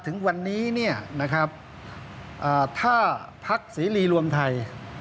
นะครับถ้าภักดิ์สีรีรวมไทย